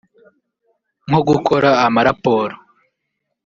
nko gukora amaraporo